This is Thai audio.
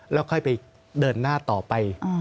แล้วค่อยไปเดินหน้าต่อไป